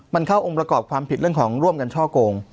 มันเข้าองค์ประกอบความผิดเรื่องของร่วมกันช่อกง